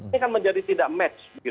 ini kan menjadi tidak match